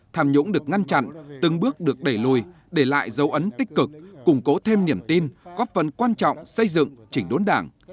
tham nhũng được ngăn chặn từng bước được đẩy lùi để lại dấu ấn tích cực củng cố thêm niềm tin góp phần quan trọng xây dựng chỉnh đốn đảng